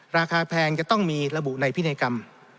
ราคาแพงจ้าต้องมีระบุในพิเนกรรม